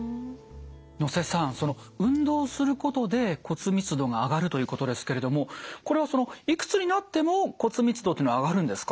能瀬さん運動することで骨密度が上がるということですけれどもこれはいくつになっても骨密度っていうのは上がるんですか？